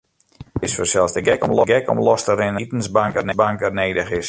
It is fansels te gek om los te rinnen dat in itensbank nedich is.